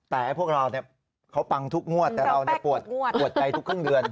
แต่พวกเราเขาปังทุกงวดแต่เราปวดใจทุกครึ่งเดือน